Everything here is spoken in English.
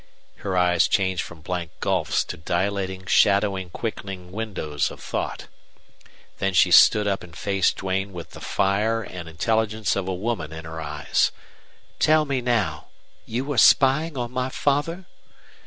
Her eyes changed from blank gulfs to dilating, shadowing, quickening windows of thought. Then she stood up and faced Duane with the fire and intelligence of a woman in her eyes. "Tell me now. You were spying on my father?"